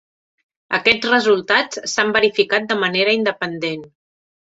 Aquests resultats s'han verificat de manera independent.